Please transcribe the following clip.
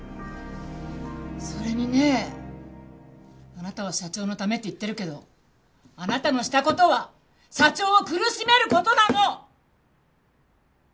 それにねあなたは社長のためって言ってるけどあなたのした事は社長を苦しめる事なの！